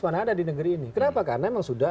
karena ada di negeri ini kenapa karena memang sudah